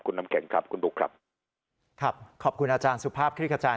คุณน้ำแข็งครับคุณบุ๊คครับครับขอบคุณอาจารย์สุภาพคลิกขจาย